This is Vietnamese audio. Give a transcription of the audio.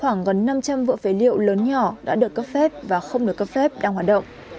khoảng gần năm trăm linh vựa phế liệu lớn nhỏ đã được cấp phép và không được cấp phép đang hoạt động